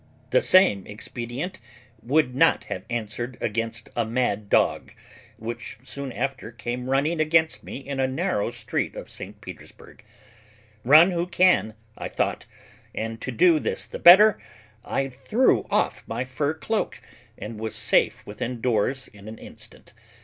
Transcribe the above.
The same expedient would not have answered against a mad dog, which soon after came running against me in a narrow street at St. Petersburg. Run who can, I thought; and to do this the better, I threw off my fur cloak, and was safe within doors in an instant.